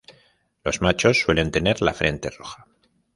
Los machos suelen tener la frente roja.